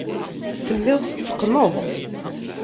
Telliḍ tetteqqneḍ.